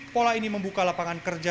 pola ini membuka lapangan kerja